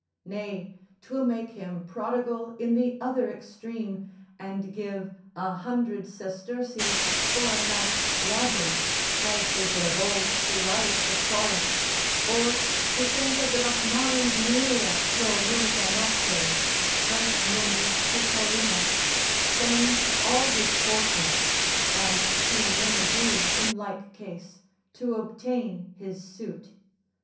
Nay, 'twill make him prodigal in the other extreme, and give a hundred sesterces for a night's lodging, as they did of old to Lais of Corinth, or ducenta drachmarum millia pro unica nocte, as Mundus to Paulina, spend all his fortunes (as too many do in like case) to obtain his suit.